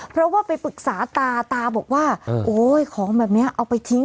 เพราะว่าไปปรึกษาตาตาบอกว่าโอ้ยของแบบนี้เอาไปทิ้ง